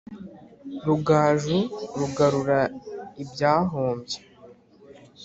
Rugaju rugarura ibyahombye